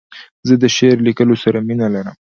زه د شعر لیکلو سره مینه نه لرم.